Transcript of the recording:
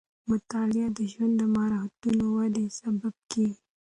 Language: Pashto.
مطالعه د ژوند د مهارتونو ودې سبب کېږي.